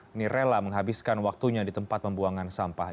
ini rela menghabiskan waktunya di tempat pembuangan sampah